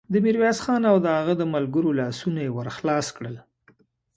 د ميرويس خان او د هغه د ملګرو لاسونه يې ور خلاص کړل.